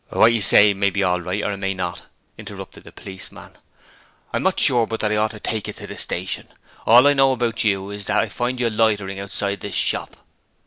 'What you say may be all right or it may not,' interrupted the policeman. 'I'm not sure but that I ought to take you to the station. All I know about you is that I find you loitering outside this shop.